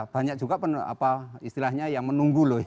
banyak juga istilahnya yang menunggu loh